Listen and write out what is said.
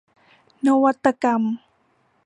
นวัตกรรม